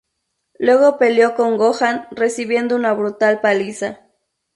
Luego peleó con Gohan recibiendo una brutal paliza.